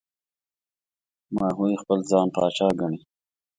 ماهوی خپل ځان پاچا ګڼي.